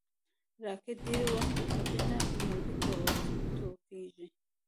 راکټ ډېری وخت افقي نه، عمودي توغېږي